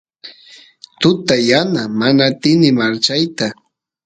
tuta yana mana atini marchayta